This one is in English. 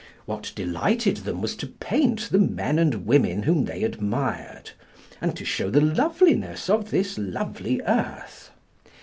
What delighted them was to paint the men and women whom they admired, and to show the loveliness of this lovely earth.